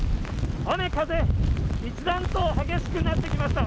雨、風、一段と激しくなってきました。